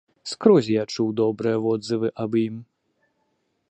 Скрозь я чуў добрыя водзывы аб ім.